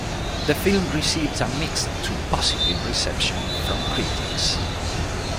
The film received a mixed to positive reception from critics.